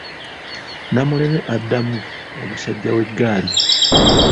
Namuleme addamu, omusajja w'eggaali